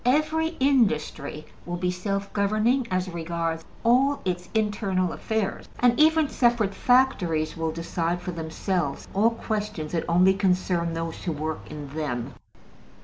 Every industry will be self governing as regards all its internal affairs, and even separate factories will decide for themselves all questions that only concern those who work in them.